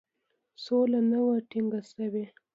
سوله نه وه ټینګه شوې.